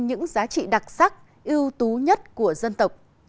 những giá trị đặc sắc ưu tú nhất của dân tộc